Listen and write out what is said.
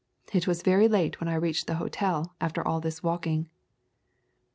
It was very late when I reached the hotel after all this walking."